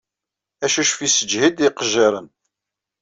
Acuccef yessejhid iqejjaṛen.